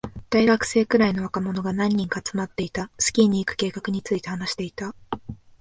大学生くらいの若者が何人か集まっていた。スキーに行く計画について話していた。